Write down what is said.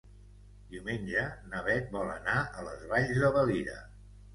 Diumenge na Beth vol anar a les Valls de Valira.